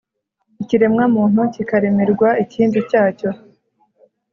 Ikiremwamuntu kikaremerwa ikindi cyacyo